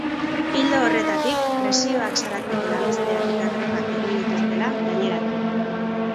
Ildo horretatik, presioak salatzeko lanuzteak eta grebak egin dituztela gaineratu du.